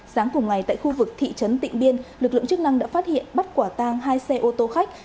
sáng cùng ngày tại khu vực thị trấn tịnh biên lực lượng chức năng đã phát hiện bắt quả tang hai xe ô tô khách